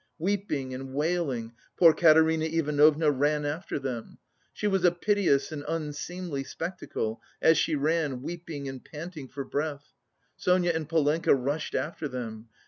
Weeping and wailing, poor Katerina Ivanovna ran after them. She was a piteous and unseemly spectacle, as she ran, weeping and panting for breath. Sonia and Polenka rushed after them.